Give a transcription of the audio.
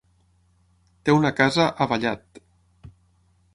Té una casa a Vallat.